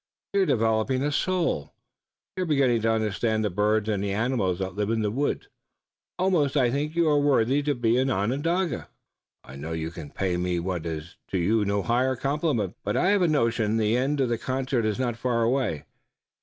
You are developing a soul. You are beginning to understand the birds and animals that live in the woods. Almost I think you worthy to be an Onondaga." "I know you can pay me what is to you no higher compliment, but I have a notion the end of the concert is not far away.